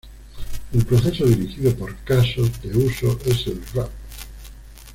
El proceso dirigido por casos de uso es el rup.